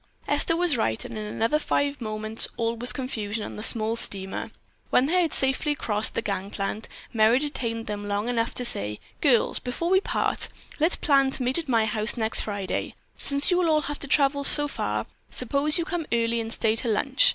Esther was right and in another five moments all was confusion on the small steamer. When they had safely crossed the gang plank, Merry detained them long enough to say, "Girls, before we part, let's plan to meet at my home next Friday. Since you will all have to travel so far, suppose you come early and stay to lunch.